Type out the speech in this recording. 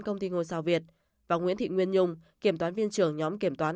công ty ngôi sao việt và nguyễn thị nguyên nhung kiểm toán viên trưởng nhóm kiểm toán